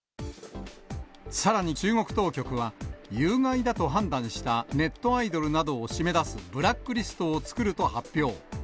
さらに中国当局は、有害だと判断したネットアイドルなどを締め出すブラックリストを作ると発表。